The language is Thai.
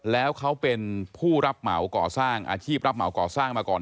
แล้วเขาเป็นผู้รับเหมาก่อสร้างอาชีพรับเหมาก่อสร้างมาก่อน